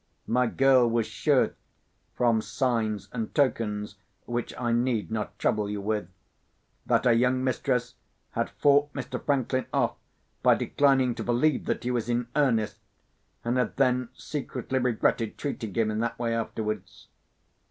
My girl was sure (from signs and tokens which I need not trouble you with) that her young mistress had fought Mr. Franklin off by declining to believe that he was in earnest, and had then secretly regretted treating him in that way afterwards.